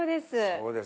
そうですか。